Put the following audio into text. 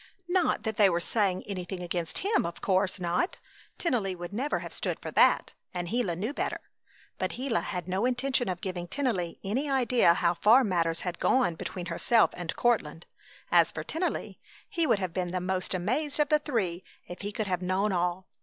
Not that they were saying anything against him of course not! Tennelly would never have stood for that, and Gila knew better. But Gila had no intention of giving Tennelly any idea how far matters had gone between herself and Courtland. As for Tennelly, he would have been the most amazed of the three if he could have known all.